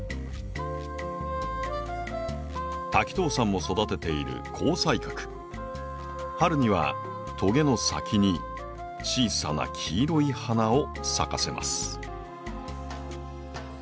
滝藤さんも育てている春にはトゲの先に小さな黄色い花を咲かせます。